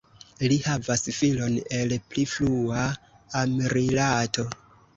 Li havas filon el pli frua amrilato.